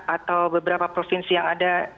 atau beberapa provinsi yang ada